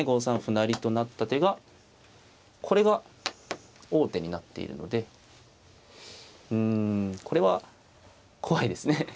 ５三歩成と成った手がこれが王手になっているのでうんこれは怖いですね。